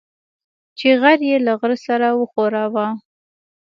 چې غر يې له غره سره وښوراوه.